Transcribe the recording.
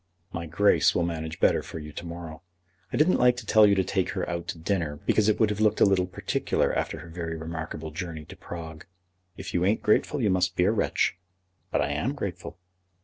"My Grace will manage better for you to morrow. I didn't like to tell you to take her out to dinner, because it would have looked a little particular after her very remarkable journey to Prague. If you ain't grateful you must be a wretch." "But I am grateful."